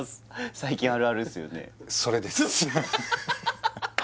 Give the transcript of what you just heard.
最近あるあるっすよね